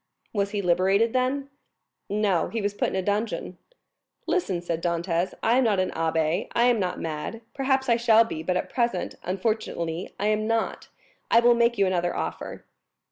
"Was he liberated, then?" "No; he was put in a dungeon." "Listen!" said Dantès. "I am not an abbé, I am not mad; perhaps I shall be, but at present, unfortunately, I am not. I will make you another offer."